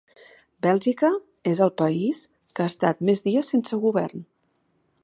Bèlgica és el país que ha estat més dies sense govern